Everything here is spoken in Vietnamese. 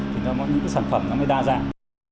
thì nó có những cái sản phẩm nó mới đa dạng